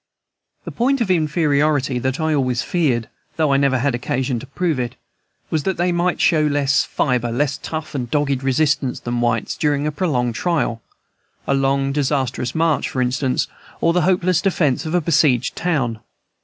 The point of inferiority that I always feared, though I never had occasion to prove it, was that they might show less fibre, less tough and dogged resistance, than whites, during a prolonged trial, a long, disastrous march, for instance, or the hopeless defence of a besieged town.